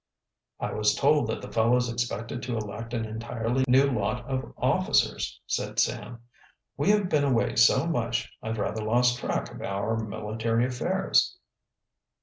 "I was told that the fellows expected to elect an entirely new lot of officers," said Sam. "We have been away so much I've rather lost track of our military affairs."